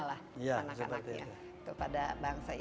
anak anaknya ya seperti itu